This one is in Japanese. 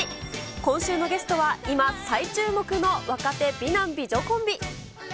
今週のゲストは、今、最注目の若手美男美女コンビ。